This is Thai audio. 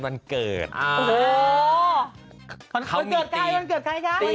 วันเกิดใครวันเกิดใครค่ะ